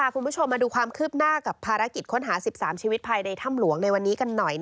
คุณผู้ชมมาดูความคืบหน้ากับภารกิจค้นหา๑๓ชีวิตภายในถ้ำหลวงในวันนี้กันหน่อย